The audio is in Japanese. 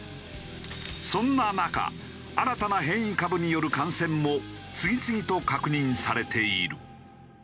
そんな中新たな変異株による感染も次々と確認されている。